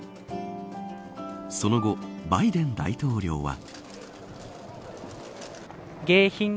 その後、バイデン大統領は。